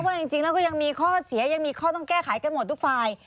จริงแล้วก็ยังมีข้อเสียยังมีข้อต้องแก้ไขกันหมดทุกฝ่าย